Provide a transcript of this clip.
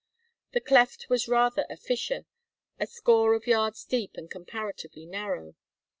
The cleft was rather a fissure, a score of yards deep and comparatively narrow.